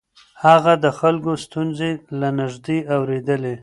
هغه د خلکو ستونزې له نږدې اورېدلې.